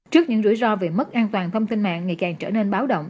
trước những rủi ro về mất an toàn thông tin mạng ngày càng trở nên báo động